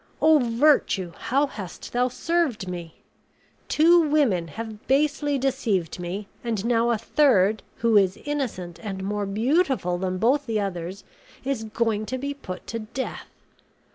O virtue, how hast thou served me! Two women have basely deceived me, and now a third, who is innocent, and more beautiful than both the others, is going to be put to death!